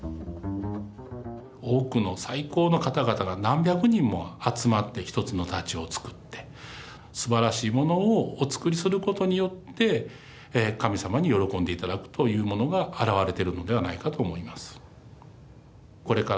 多くの最高の方々が何百人も集まって一つの太刀を作ってすばらしいものをお作りすることによって神様に喜んで頂くというものが表れてるのではないかと思います。